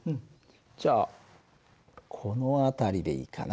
じゃあこの辺りでいいかな。